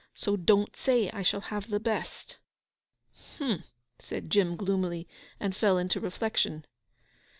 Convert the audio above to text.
So don't say I shall have the best.' 'H'm!' said Jim gloomily; and fell into reflection.